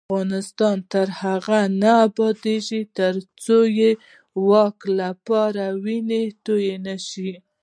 افغانستان تر هغو نه ابادیږي، ترڅو د واک لپاره وینه تویه نشي.